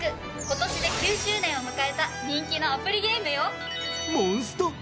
今年で９周年を迎えた人気のアプリゲームよ。